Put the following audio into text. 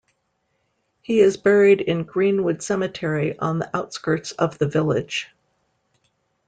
He is buried in Greenwood Cemetery on the outskirts of the village.